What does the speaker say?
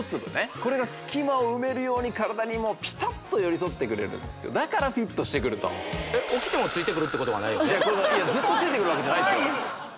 これが隙間を埋めるように体にピタッと寄り添ってくれるんですだからフィットしてくるといやずっとついてくるわけじゃないんですよ